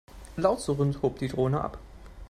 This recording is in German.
Laut surrend hob die Drohne ab.